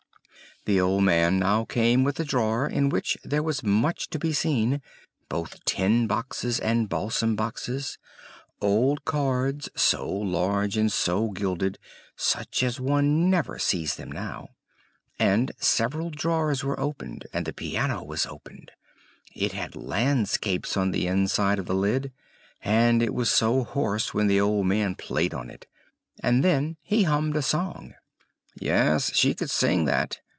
The old man now came with a drawer, in which there was much to be seen, both "tin boxes" and "balsam boxes," old cards, so large and so gilded, such as one never sees them now. And several drawers were opened, and the piano was opened; it had landscapes on the inside of the lid, and it was so hoarse when the old man played on it! and then he hummed a song. "Yes, she could sing that!"